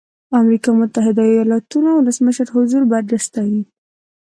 د امریکا متحده ایالتونو ولسمشر حضور برجسته و.